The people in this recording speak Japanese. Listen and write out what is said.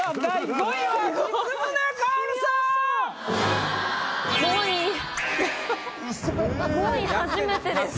５位初めてです。